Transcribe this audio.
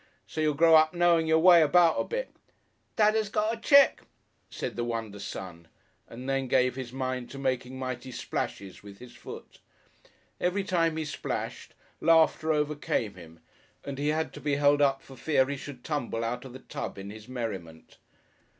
So's you'll grow up knowing your way about a bit." "Dadda's got a cheque," said the wonder son, and then gave his mind to making mighty splashes with his foot. Every time he splashed, laughter overcame him, and he had to be held up for fear he should tumble out of the tub in his merriment.